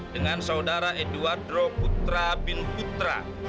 dengan saudara edwardro putra bin putra